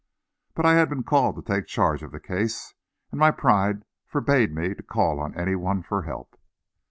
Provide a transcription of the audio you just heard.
But I had been called to take charge of the case, and my pride forbade me to call on any one for help.